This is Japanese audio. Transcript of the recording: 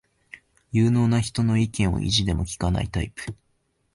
有能な人の意見を意地でも聞かないタイプ